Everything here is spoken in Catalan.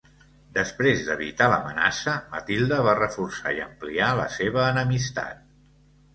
Després d'evitar l'amenaça, Matilde va reforçar i ampliar la seva enemistat.